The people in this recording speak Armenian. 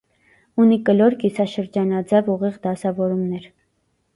Ունի կլոր, կիսաշրջանաձև, ուղիղ դասավորումներ։